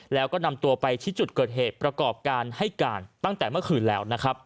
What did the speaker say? แล้วก็นำตัวไปที่จุดเกิดเหตุประกอบการให้การตั้งแต่เมื่อคืนแล้วนะครับ